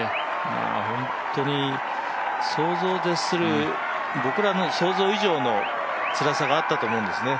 本当に想像を絶する、僕らの想像以上のつらさがあったと思うんですね。